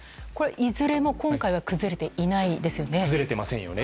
いずれも今回は崩れていないですよね。